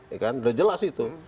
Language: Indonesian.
ya kan udah jelas itu